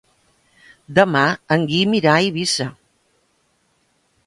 Demà en Guim irà a Eivissa.